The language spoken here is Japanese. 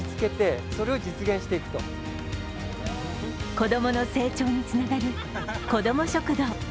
子供の成長につながる子ども食堂。